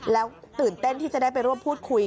แล้วตื่นเต้นที่จะได้ไปร่วมพูดคุย